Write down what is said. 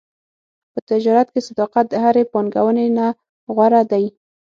په تجارت کې صداقت د هرې پانګونې نه غوره دی.